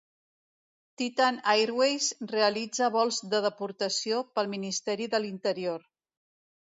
Titan Airways realitza vols de deportació pel Ministeri de l'Interior.